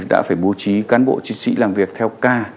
đã phải bố trí cán bộ chiến sĩ làm việc theo ca